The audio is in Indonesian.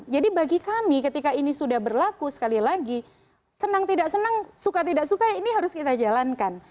jadi bagi kami ketika ini sudah berlaku sekali lagi senang tidak senang suka tidak suka ini harus kita jalankan